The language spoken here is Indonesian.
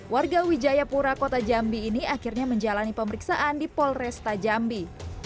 warga wijayapura kota jambi ini akhirnya menjalani pemeriksaan di polresta jambi